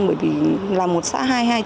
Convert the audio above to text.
bởi vì là một xã hai trăm hai mươi chín